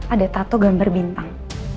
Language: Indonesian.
ada tatu gambar bintang